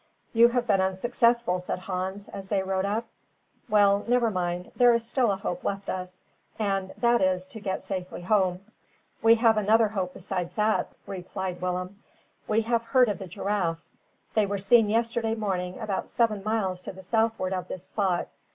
"You have been unsuccessful," said Hans, as they rode up. "Well, never mind; there is still a hope left us, and that is, to get safely home." "We have another hope besides that," replied Willem. "We have heard of the giraffes. They were seen yesterday morning about seven miles to the southward of this spot.